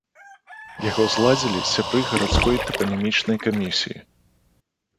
Яго зладзілі сябры гарадской тапанімічнай камісіі.